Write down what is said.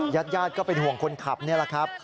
ญาติญาติก็เป็นห่วงคนขับนี่แหละครับ